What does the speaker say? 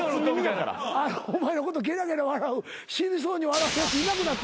お前のことゲラゲラ笑う死にそうに笑うやついなくなって。